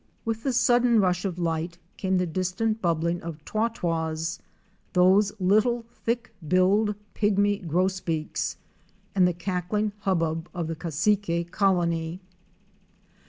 With the sudden rush of light came the dis tant bubbling of Twa twas, those little thick billed pygmy Grosbeaks,"° and the cackling hubbub of the Cassique colony.